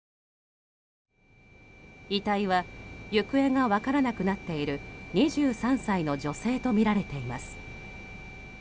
遺体は行方が分からなくなっている２３歳の女性とみられています。